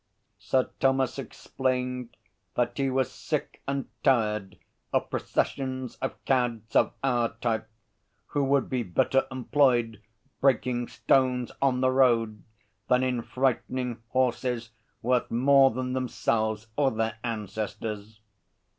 Sir Thomas explained that he was sick and tired of processions of cads of our type, who would be better employed breaking stones on the road than in frightening horses worth more than themselves or their ancestors.